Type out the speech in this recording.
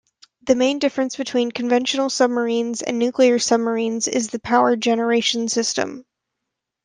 The main difference between conventional submarines and nuclear submarines is the power generation system.